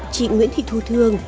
chị nguyễn thị thu thương